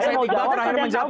saya tiba terakhir menjawab